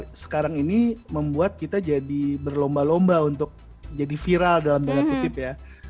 nah sekarang ini membuat kita jadi berlomba lomba untuk jadi viral dalam tanda kutip ya